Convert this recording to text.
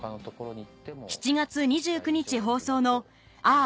７月２９日放送の『嗚呼‼